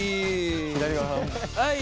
はい。